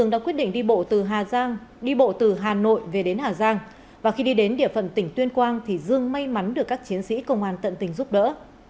đã quyết định đi bộ từ hà giang đi bộ từ hà nội về đến hà giang và khi đi đến địa phận tỉnh tuyên quang thì dương may mắn được các chiến sĩ công an tận tình giúp đỡ